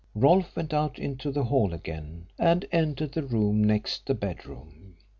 Rolfe went out into the hall again, and entered the room next the bedroom.